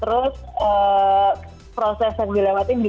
terus proses yang dilawatin juga